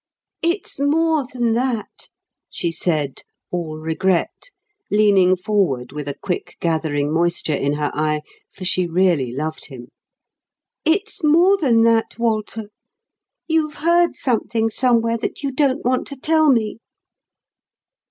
"It's more than that," she said, all regret, leaning forward with a quick gathering moisture in her eye, for she really loved him. "It's more than that, Walter. You've heard something somewhere that you don't want to tell me."